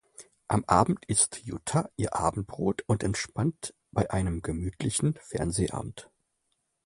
Am Abend isst Jutta ihr Abendbrot und entspannt bei einem gemütlichen Fernsehabend.